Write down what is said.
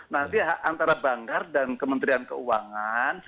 nanti antara banggar dan kementerian keuangan